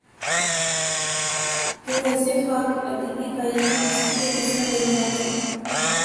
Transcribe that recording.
توایسے خاکے ادبی تاریخ کا مستقل حصہ بن جا تے ہیں۔